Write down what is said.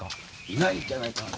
居ないんじゃないかな？